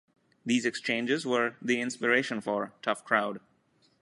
These exchanges were the inspiration for "Tough Crowd".